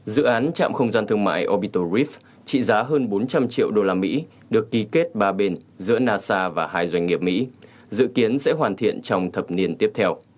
dự án trạm không gian thương mại opital gref trị giá hơn bốn trăm linh triệu usd được ký kết ba bên giữa nasa và hai doanh nghiệp mỹ dự kiến sẽ hoàn thiện trong thập niên tiếp theo